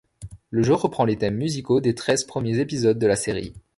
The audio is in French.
Le jeu reprend les thèmes musicaux des treize premiers épisodes de la série.